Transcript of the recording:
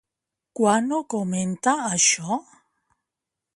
Quan ho comenta això?